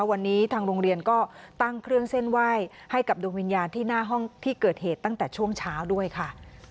วันนี้ทางโรงเรียนก็ตั้งเครื่องเส้นไหว้ให้กับดวงวิญญาณที่หน้าห้องที่เกิดเหตุตั้งแต่ช่วงเช้าด้วยค่ะ